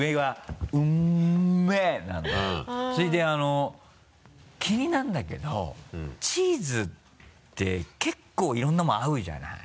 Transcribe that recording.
それで気になるんだけどチーズって結構いろんなもの合うじゃない。